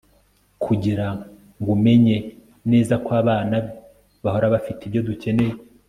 kugirango umenye neza ko abana be bahora bafite ibyo dukeneye